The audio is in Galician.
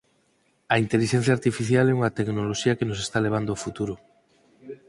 A intelixencia artificial é unha tecnoloxía que nos está levando ao futuro.